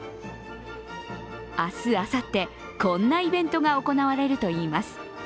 明日、あさって、こんなイベントが行われるといいます。